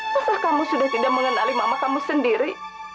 masa kamu sudah tidak mengenali mama kamu sendiri